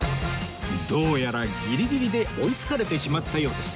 どうやらギリギリで追いつかれてしまったようです